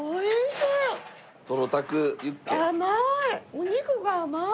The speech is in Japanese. お肉が甘い。